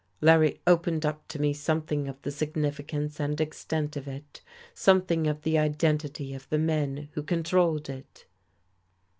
Larry opened up to me something of the significance and extent of it, something of the identity of the men who controlled it.